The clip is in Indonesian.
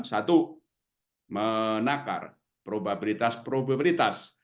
satu menakar probabilitas probabilitas